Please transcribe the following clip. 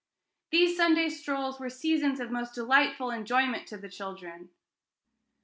These Sunday strolls were seasons of most delightful enjoyment to the children.